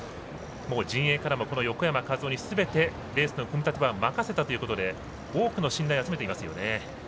陣営からもこの横山和生にすべてレースの組み立ては任せたということで多くの信頼を集めていますよね。